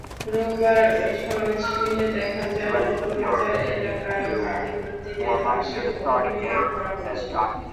রোববার সরেজমিনে দেখা যায়, মধ্যবাজার এলাকার কালীমন্দিরের পাশে ভবন নির্মাণ করা হচ্ছে।